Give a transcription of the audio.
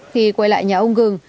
khi quay lại nhà ông gừng